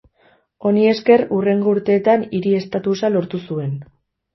Honi esker hurrengo urtean hiri estatusa lortu zuen.